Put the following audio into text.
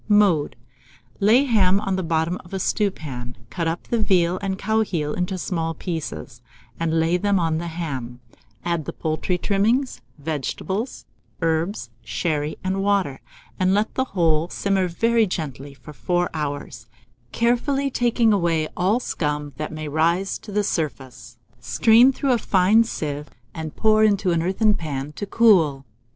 Mode. Lay the ham on the bottom of a stewpan, cut up the veal and cow heel into small pieces, and lay them on the ham; add the poultry trimmings, vegetables, herbs, sherry, and water, and let the whole simmer very gently for 4 hours, carefully taking away all scum that may rise to the surface; strain through a fine sieve, and pour into an earthen pan to get cold.